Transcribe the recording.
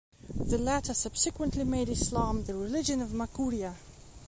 The latter subsequently made Islam the religion of Makuria.